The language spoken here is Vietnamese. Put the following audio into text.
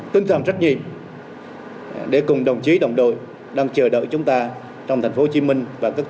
tinh thần trách nhiệm để cùng đồng chí đồng đội đang chờ đợi chúng ta trong thành phố hồ chí minh